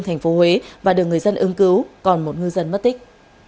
thành phố huế và được người dân ứng cứu còn một ngư dân mất tích